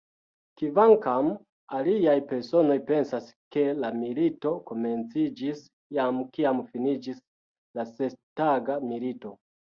Kvankam aliaj personoj pensas, ke la milito komenciĝis jam, kiam finiĝis la Sestaga Milito.